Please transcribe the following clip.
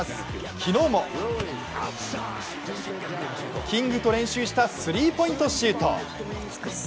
昨日もキングと練習したスリーポイントシュート。